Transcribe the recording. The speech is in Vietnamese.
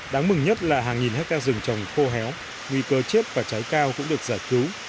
đáng mừng nhất là hàng nghìn hectare rừng trồng khô héo nguy cơ chết và cháy cao cũng được giải cứu